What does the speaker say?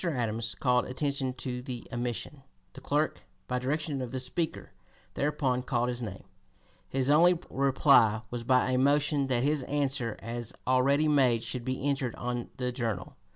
Adams called attention to the omission. The clerk, by direction of the Speaker, thereupon called his name. His only reply was by a motion that his answer as already made should be entered (p. 252) on the Journal.